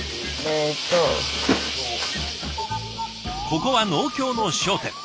ここは農協の商店。